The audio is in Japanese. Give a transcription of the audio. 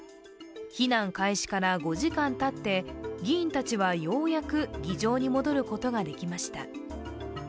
避難開始から５時間たって議員たちはようやく議場に戻ることができました。